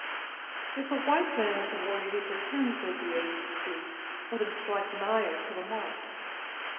"If the white man is the warrior he pretends," said the aged chief, "let him strike nigher to the mark."